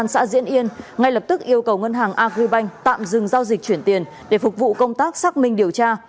các bạn hãy đăng ký kênh để ủng hộ kênh của chúng mình nhé